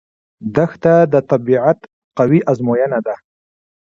دښته د طبیعت قوي ازموینه ده.